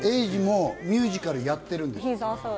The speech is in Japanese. エイジもミュージカルやってるんです。